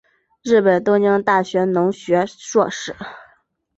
日本东京大学农学硕士。